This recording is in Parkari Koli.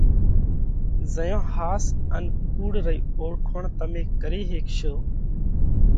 زئيون ۿاس ان ڪُوڙ رئِي اوۯکوڻ تمي ڪري هيڪشو